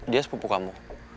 dia sepupu kamu